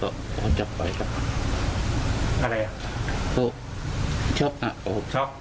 แล้วก็เขาจับไปครับอะไรอะเขาช็อปอ่ะช็อป